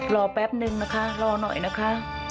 แป๊บนึงนะคะรอหน่อยนะคะ